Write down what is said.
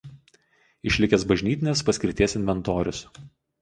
Išlikęs bažnytinės paskirties inventorius.